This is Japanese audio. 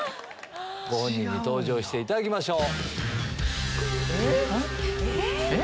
ご本人に登場していただきましょう。